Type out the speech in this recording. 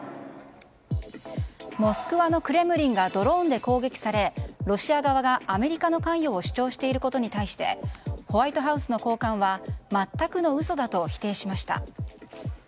モスクワのクレムリンがドローンで攻撃されロシア側がアメリカの関与を主張していることに対してホワイトハウスの高官は全くの嘘だと否定しました。